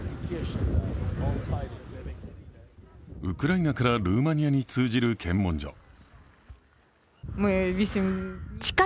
ウクライナからルーマニアに通じる検問所。